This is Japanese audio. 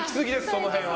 その辺は。